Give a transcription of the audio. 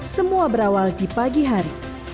semua berawal di pagi hari